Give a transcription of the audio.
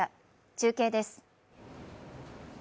中継です。